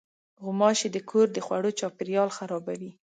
غوماشې د کور د خوړو چاپېریال خرابوي.